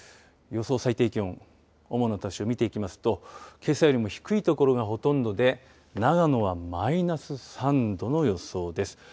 予想最低気温、主な都市を見ていきますと、けさよりも低い所がほとんどで、長野はマイナス３度の予想です。